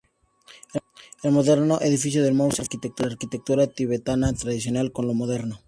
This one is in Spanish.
El moderno edificio del museo fusiona la arquitectura tibetana tradicional con lo moderno.